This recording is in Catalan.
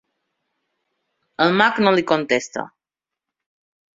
El mag no li contesta.